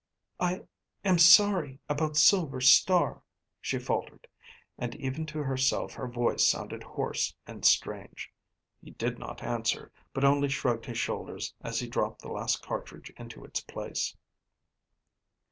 "I am sorry about Silver Star," she faltered, and even to herself her voice sounded hoarse and strange. He did not answer, but only shrugged his shoulders as he dropped the last cartridge into its place.